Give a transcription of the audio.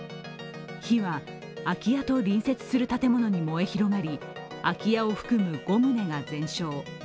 火は、空き家と隣接する建物に燃え広がり、空き家を含む５棟が全焼。